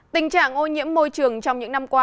tình trạng ô nhiễm môi trường trong những năm qua